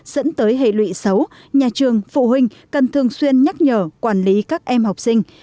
dẫn tới hệ lụy xấu nhà trường phụ huynh cần thường xuyên nhắc nhở quản lý các em học sinh